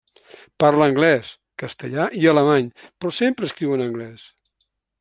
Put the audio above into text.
Parla anglès, castellà i alemany, però sempre escriu en anglès.